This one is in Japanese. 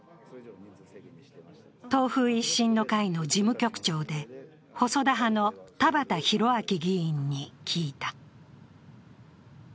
党風一新の会の事務局長で、細田派の田畑裕明議員に聞いた。